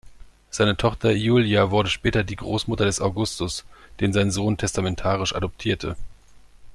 Seine Tochter Iulia wurde später die Großmutter des Augustus, den sein Sohn testamentarisch adoptierte.